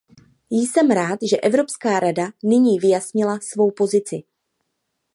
Jsem rád, že Evropská rada nyní vyjasnila svou pozici.